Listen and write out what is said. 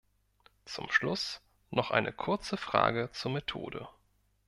Zum Schluss noch eine kurze Frage zur Methode.